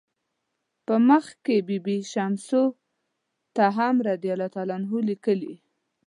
په مخ کې بي بي شمسو ته هم "رضی الله عنه" لیکي.